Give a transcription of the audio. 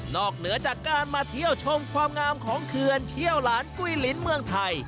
เหนือจากการมาเที่ยวชมความงามของเขื่อนเชี่ยวหลานกุ้ยลิ้นเมืองไทย